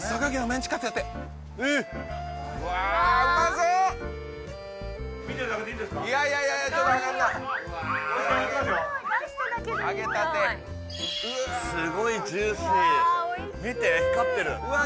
ニオイすごいジューシー見て光ってるうわ